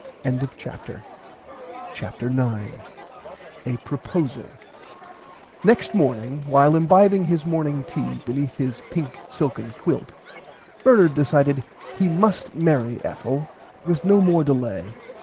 [Pg 88] CHAPTER 9 A PROPOSALE Next morning while imbibing his morning tea beneath his pink silken quilt Bernard decided he must marry Ethel with no more delay.